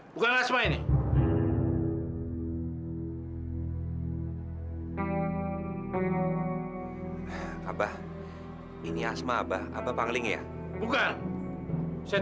sampai jumpa di video selanjutnya